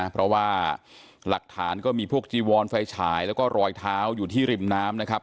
เพราะว่าหลักฐานก็มีพวกจีวอนไฟฉายแล้วก็รอยเท้าอยู่ที่ริมน้ำนะครับ